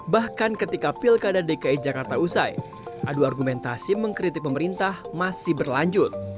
bahkan ketika pilkada dki jakarta usai adu argumentasi mengkritik pemerintah masih berlanjut